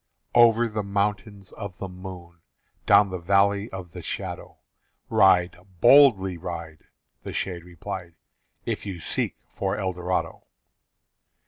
"Over the Mountains Of the Moon, Down the Valley of the Shadow, Ride, boldly ride," The shade replied, "If you seek for Eldorado!"